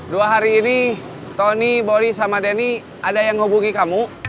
dua hari ini tony body sama denny ada yang hubungi kamu